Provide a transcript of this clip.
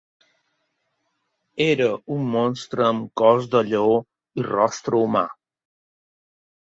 Era un monstre amb cos de lleó i rostre humà.